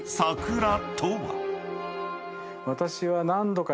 私は。